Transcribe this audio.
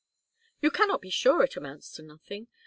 '" "You cannot be sure it amounts to nothing.